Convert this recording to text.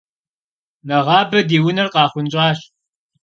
Нэгъабэ ди унэр къахъунщӏащ.